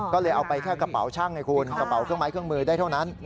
ก็เลยเอาไปแค่กระเป๋าช่างไงคุณกระเป๋าเครื่องไม้เครื่องมือได้เท่านั้น